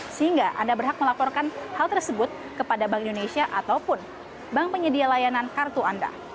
sehingga anda berhak melaporkan hal tersebut kepada bank indonesia ataupun bank penyedia layanan kartu anda